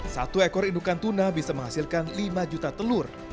satu ekor indukan tuna bisa menghasilkan lima juta telur